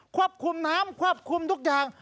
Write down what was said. ควบคุมน้ำควบคุมทุกอย่าง